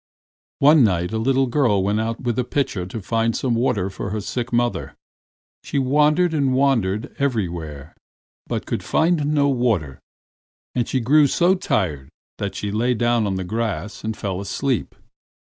One night a little girl went out with a pitcher to find some water for her sick mother. She wandered and wandered everywhere, but could find no water, and she grew so tired that she lay down on the grass and fell asleep.